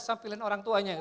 sampai orang tuanya